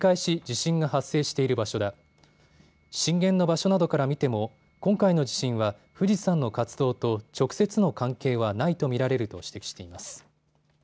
震源の場所などから見ても今回の地震は富士山の活動と直接の関係はないと見られると指摘しています。